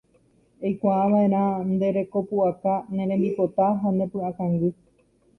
Eikuaava'erã nde rekopu'aka, ne rembipota ha ne py'akangy